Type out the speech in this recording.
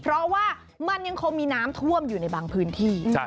เพราะว่ามันยังคงมีน้ำท่วมอยู่ในบางพื้นที่